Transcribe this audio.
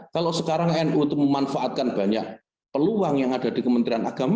kalau sekarang nu itu memanfaatkan banyak peluang yang ada di kementerian agama